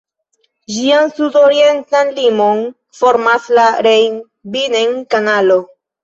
Ĝian sudorientan limon formas la Rhein-Binnen-Kanalo.